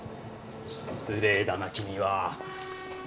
失礼だな君は。